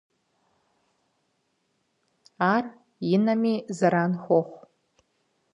Ар и нэми зэран хуохъу.